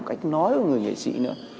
cách nói của người nghệ sĩ nữa